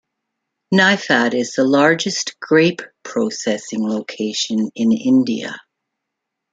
Niphad is the largest grape processing location in India.